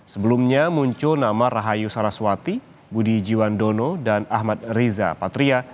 sebelumnya muncul nama rahayu saraswati budi jiwandono dan ahmad riza patria